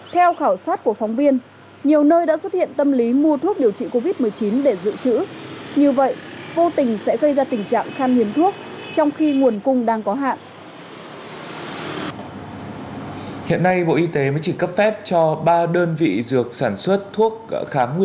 theo khảo sát của phóng viên nhiều nơi đã xuất hiện tâm lý mua thuốc điều trị covid một mươi chín để dự trữ